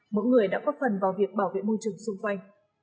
mỗi người đã góp phần vào việc bảo vệ môi trường xung quanh